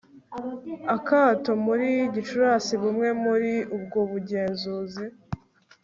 akato muri Gicurasi Bumwe muri ubwo bugenzuzi